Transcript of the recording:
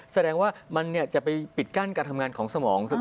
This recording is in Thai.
แสดงว่ามันจะไปปิดกั้นการทำงานของสมองเสมอ